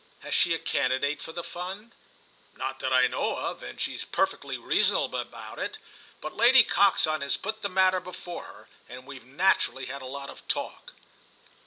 "Has she a candidate for the Fund?" "Not that I know of—and she's perfectly reasonable about it. But Lady Coxon has put the matter before her, and we've naturally had a lot of talk."